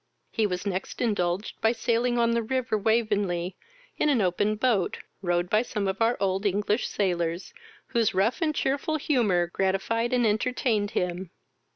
He was next indulged by sailing on the river Waveney in an open boat, rowed by some of our old English sailors, whose rough and cheerful humour gratified and entertained him.